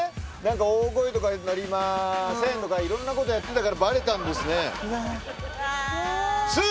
「乗りません！」とかいろんなことやってたからバレたんですね。